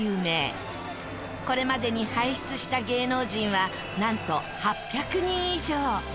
これまでに輩出した芸能人はなんと８００人以上。